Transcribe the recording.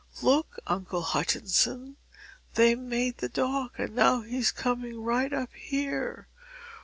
Look, Uncle Hutchinson, they've made the dock, and now he's coming right up here.